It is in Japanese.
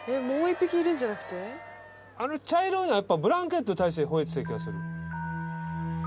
あの茶色いのはやっぱブランケットに対して吠えてた気がする。